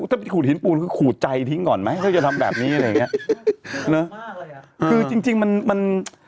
แล้วถ้าคงขูดหินปูนคือขูดใจทิ้งก่อนมั้ย